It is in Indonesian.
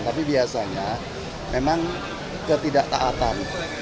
tapi biasanya memang ketidak taatan